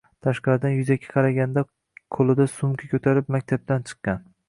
Tashqaridan yuzaki qaraganlarga ko'lida sumka ko'tarib maktabdan chiqqan